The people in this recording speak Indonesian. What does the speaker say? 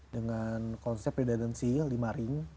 dengan konsep redundancy lima ria